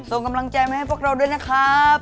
ส่งกำลังใจมาให้พวกเราด้วยนะครับ